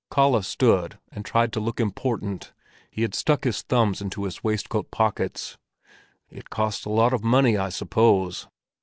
Kalle stood and tried to look important; he had stuck his thumbs into his waistcoat pockets. "It cost a lot of money, I suppose?"